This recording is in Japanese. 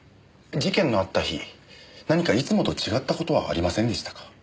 事件のあった日何かいつもと違った事はありませんでしたか？